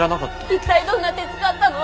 一体どんな手使ったの？